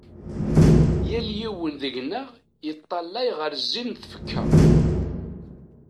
Yal yiwen deg-nneɣ iṭṭalay ɣer zzin n tfekka.